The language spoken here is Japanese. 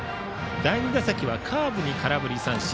第２打席はカーブに空振り三振。